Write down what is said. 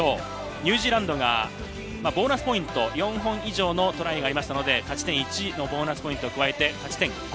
ニュージーランドが、ボーナスポイント４本以上のトライがありましたので勝ち点１のボーナスポイントを加えて、勝ち点５。